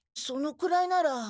そのくらいなら。